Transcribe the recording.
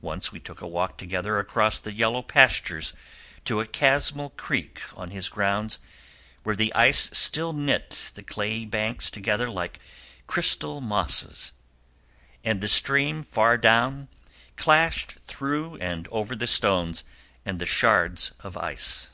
Once we took a walk together across the yellow pastures to a chasmal creek on his grounds, where the ice still knit the clayey banks together like crystal mosses; and the stream far down clashed through and over the stones and the shards of ice.